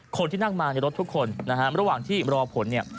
คนที่นั่งมาในรถทุกคนนะฮะระหว่างที่รอผลเนี่ย